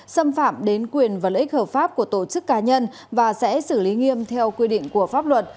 xâm phạm đến quyền và lợi ích hợp pháp của tổ chức cá nhân và sẽ xử lý nghiêm theo quy định của pháp luật